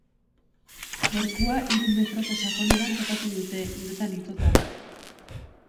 Gorpua hiru metroko sakoneran topatu dute, uretan itota.